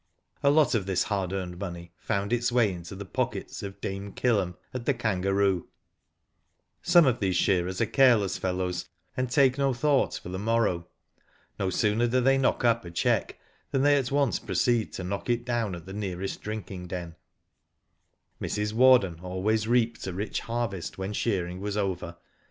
^ lot of this hard earned money found its way into the pockets of Dame Kill'em, at *'The Kangaroo/' Some of these shearers are careless fellows, and take no thought for the morrow. No sooner do they knock up a cheque than they at once proceed to knock it down at the nearest drinking den, Mrs. Warden always reaped a rich harvest when shearing was over.